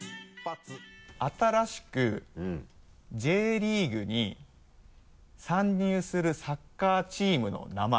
新しくＪリーグに参入するサッカーチームの名前。